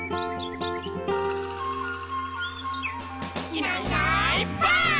「いないいないばあっ！」